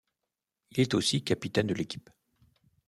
Il est aussi capitaine de l'équipe.